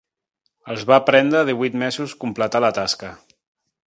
Els va prendre divuit mesos completar la tasca.